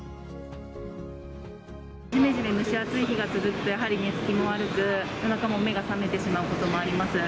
じめじめ、蒸し暑い日が続くと、やはり寝つきも悪く、夜中も目が覚めてしまうこともあります。